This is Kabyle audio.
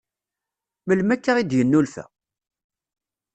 Melmi akka i d-yennulfa?